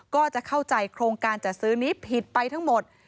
โครงการจัดซื้อนี้ผิดไปทั้งหมด